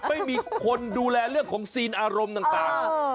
ไม่มีคนดูแลเรื่องของซีนอารมณ์ต่าง